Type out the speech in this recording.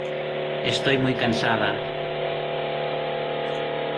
Estoy muy cansada.